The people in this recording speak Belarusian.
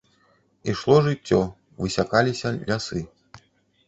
Ішло жыццё, высякаліся лясы.